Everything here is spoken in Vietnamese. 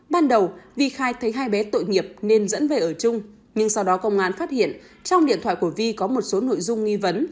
ban đầu vi khai thấy hai bé tội nghiệp nên dẫn về ở chung nhưng sau đó công an phát hiện trong điện thoại của vi có một số nội dung nghi vấn